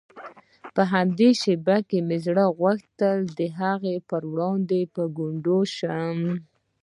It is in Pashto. په همدې شېبه کې مې زړه غوښتل د هغه په وړاندې په ګونډو شم.